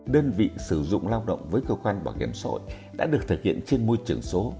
đơn vị sử dụng lao động với cơ quan bảo hiểm xã hội đã được thực hiện trên môi trường số